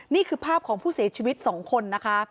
นี่คือภาพของผู้เสียชีวิต๒คนนะคะ